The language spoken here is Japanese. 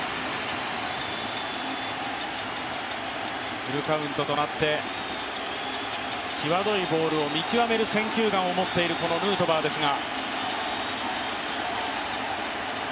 フルカウントとなってきわどいボールを見極める選球眼を持っているこのヌートバーですが。